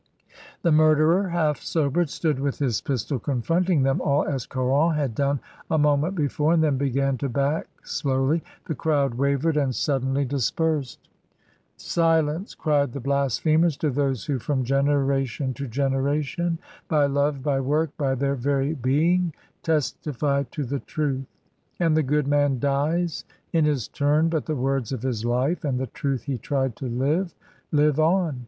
The murderer, half sobered, stood with his pistol coufronting them all, as Caron had done a moment before, and then began to back slowly. The crowd wavered, and suddenly dispersed. CARON. 277 "Silence!" cry the blasphemers to those who from generation to generation, by love, by work, by their very being, testify to the truth. And the good man dies in his turn, but the words of his life and the truth he tried to live, live on.